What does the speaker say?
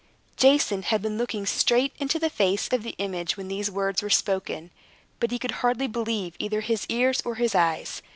Jason had been looking straight into the face of the image when these words were spoken. But he could hardly believe either his ears or his eyes.